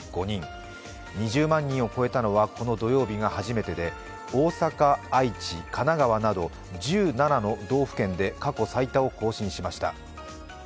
２０万人を超えたのはこの土曜日が初めてで大阪、愛知、神奈川など１７の道府県で過去最多を更新しました。